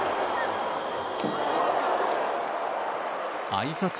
あいさつ